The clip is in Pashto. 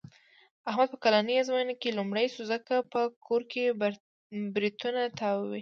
احمد په کلنۍ ازموینه کې لومړی شو. ځکه په کور کې برېتونه تاووي.